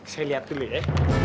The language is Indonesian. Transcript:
saya lihat dulu ya